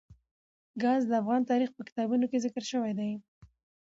ګاز د افغان تاریخ په کتابونو کې ذکر شوی دي.